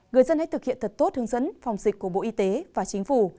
người dân hãy thực hiện thật tốt hướng dẫn phòng dịch của bộ y tế và chính phủ